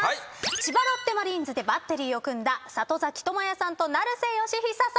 千葉ロッテマリーンズでバッテリーを組んだ里崎智也さんと成瀬善久さん。